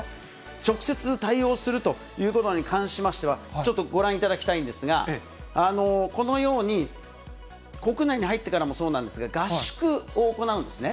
直接対応するということに関しましては、ちょっとご覧いただきたいんですが、このように国内に入ってからもそうなんですが、合宿を行うんですね。